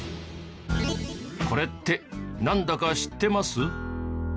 これってなんだか知ってます？